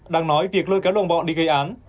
đang nói việc lôi kéo đồng bọn đi gây án